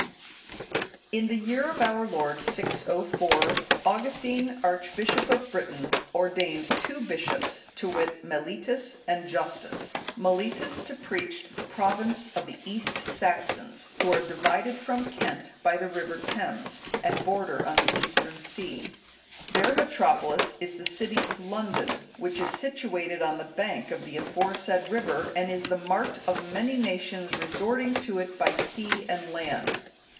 D.] In the year of our Lord 604, Augustine, Archbishop of Britain, ordained two bishops, to wit, Mellitus and Justus;(174) Mellitus to preach to the province of the East Saxons, who are divided from Kent by the river Thames, and border on the Eastern sea. Their metropolis is the city of London, which is situated on the bank of the aforesaid river, and is the mart of many nations resorting to it by sea and land.